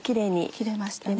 切れましたね。